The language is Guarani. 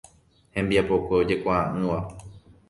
Hembiapokue ojekuaa'ỹva.